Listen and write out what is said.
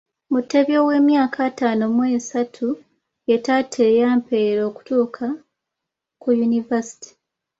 Mutebi ow’emyaka ataano mu esatu ye taata eyampeerera okutuukaku Yunivaasite.